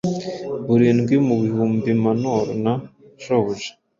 Birindwi mu bihumbimanor na shobuja